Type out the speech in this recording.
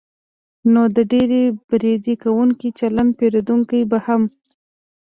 نو د ډېر برید کوونکي چلند پېرودونکی به هم